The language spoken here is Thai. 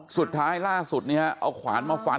สุดท้ายล่าสุดเนี้ยเอาขวานมาฟัน